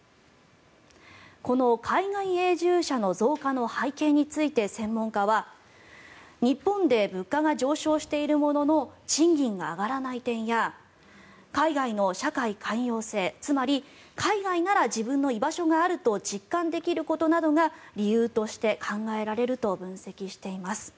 この海外永住者の増加の背景について専門家は日本で物価が上昇しているものの賃金が上がらない点や海外の社会寛容性つまり、海外なら自分の居場所があると実感できることなどが理由として考えられると分析しています。